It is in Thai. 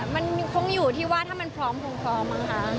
มันคงอยู่ที่ว่าถ้ามันพร้อมคงพร้อมมั้งคะ